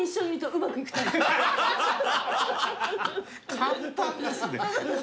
簡単ですね。